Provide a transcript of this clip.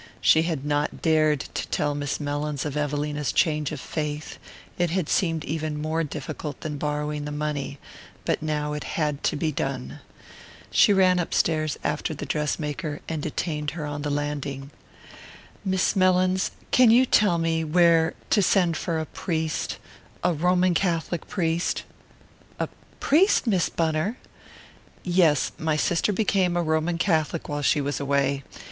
She had not yet dared to tell Miss Mellins of Evelina's change of faith; it had seemed even more difficult than borrowing the money; but now it had to be done. She ran upstairs after the dress maker and detained her on the landing. "Miss Mellins, can you tell me where to send for a priest a Roman Catholic priest?" "A priest, Miss Bunner?" "Yes. My sister became a Roman Catholic while she was away.